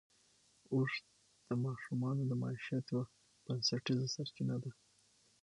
اوښ د افغانانو د معیشت یوه بنسټیزه سرچینه ده.